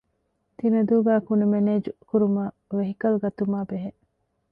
ތިނަދޫގައި ކުނި މެނޭޖްކުރުމަށް ވެހިކަލް ގަތުމާއި ބެހޭ